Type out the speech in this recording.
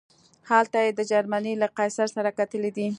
هلته یې د جرمني له قیصر سره کتلي دي.